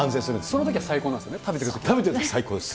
そのときは最高なんですね、そのときは最高です。